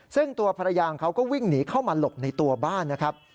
ซึ่งตัวภรรยาของเขาก็วิ่งหนีเข้ามาหลบในตัวบ้านนะครับ